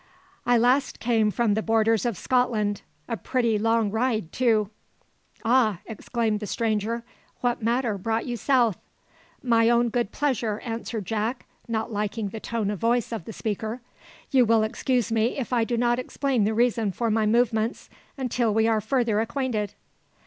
"I last came from the borders of Scotland; a pretty long ride too!" "Ah!" exclaimed the stranger; "what matter brought you south?" "My own good pleasure," answered Jack, not liking the tone of voice of the speaker. "You will excuse me if I do not explain the reason for my movements until we are further acquainted."